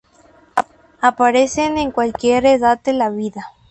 Aparecen en cualquier edad de la vida.